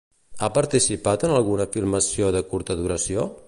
Ha participat en alguna filmació de curta duració?